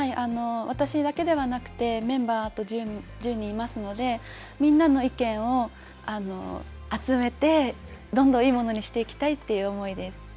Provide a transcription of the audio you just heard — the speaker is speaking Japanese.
私だけではなくて、メンバー、１０人いますので、みんなの意見を集めて、どんどんいいものにしていきたいという思いです。